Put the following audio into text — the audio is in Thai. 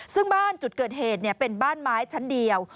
ซึ่งบ้านจุดเกิดเหตุเป็นบ้านไม้ชั้นเดียว